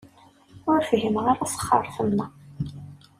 Ur fhimeɣ ara asxertem-a.